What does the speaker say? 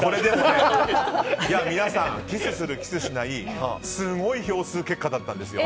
皆さん、キスする、キスしないすごい票数結果だったんですよ。